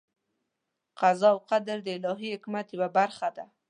قضا او قدر د الهي حکمت یوه برخه ده.